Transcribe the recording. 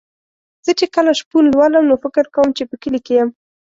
زه چې کله شپون لولم نو فکر کوم چې په کلي کې یم.